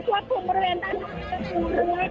พวกภูมิบริเวณนักศาสตร์